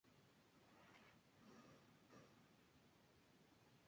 La cubierta es de teja árabe a dos aguas de triple rosca.